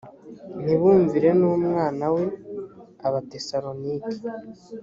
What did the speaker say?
ntibumvire n umwana we abatesalonike